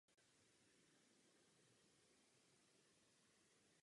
Učil také na konzervatoři v Moskvě.